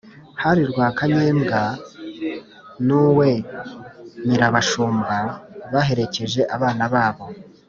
Hari Rwakanyembwa N’uwe Nyirabashumba Baherekeje abana Babo